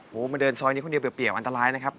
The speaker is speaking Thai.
โอ้โหมาเดินซอยนี้คนเดียวเปรียวอันตรายนะครับ